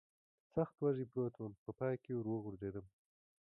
سخت وږی پروت ووم، په پای کې ور وغورځېدم.